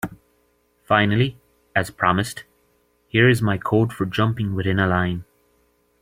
Finally, as promised, here is my code for jumping within a line.